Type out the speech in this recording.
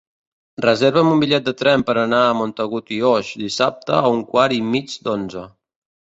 Reserva'm un bitllet de tren per anar a Montagut i Oix dissabte a un quart i mig d'onze.